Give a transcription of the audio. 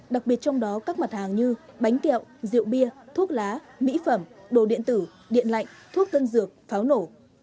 đặc biệt trong đó các mặt hàng như bánh kẹo rượu bia thuốc lá mỹ phẩm đồ điện tử điện lạnh thuốc tân dược pháo nổ